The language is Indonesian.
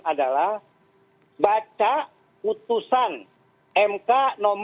adalah baca putusan mk no tujuh